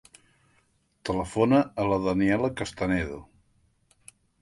Telefona a la Daniella Castanedo.